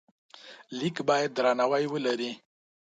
لیک باید درناوی ولري.